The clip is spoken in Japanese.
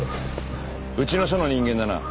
うちの署の人間だな？